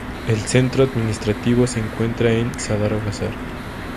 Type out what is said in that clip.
El centro administrativo se encuentra en Sadar Bazar.